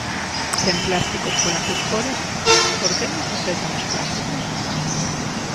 Sen plásticos polas esporas Por que non se aceptan os plásticos?